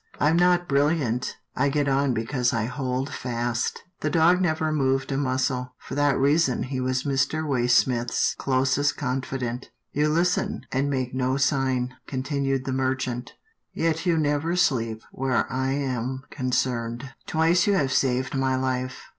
I am not bril liant. I get on because I hold fast." The dog never moved a muscle. For that reason he was Mr. Waysmith's chosen confidant. " You listen, and make no sign," continued the merchant, " yet you never sleep where I am concerned. Twice you have saved my Hfe.